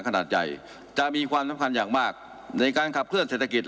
ขนาดใหญ่จะมีความสำคัญอย่างมากในการขับเคลื่อเศรษฐกิจ